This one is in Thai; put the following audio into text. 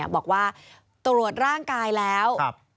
บอกว่าตรวจร่างกายแล้ว